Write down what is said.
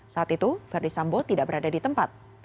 saat itu verdi sambo tidak berada di tempat